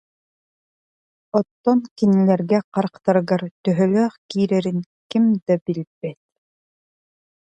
Оттон кинилэргэ харахтарыгар төһөлөөх киирэрин ким да билбэт